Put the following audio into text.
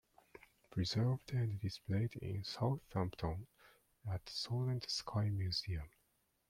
Preserved and displayed in Southampton at Solent Sky Museum.